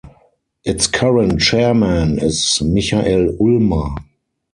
Its current Chairman is Michael Ullmer.